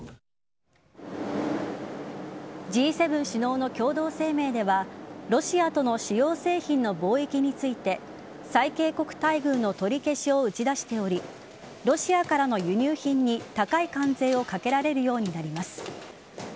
Ｇ７首脳の共同声明ではロシアとの主要製品の貿易について最恵国待遇の取り消しを打ち出しておりロシアからの輸入品に高い関税をかけられるようになります。